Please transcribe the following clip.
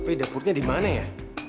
tapi dapurnya dimana ya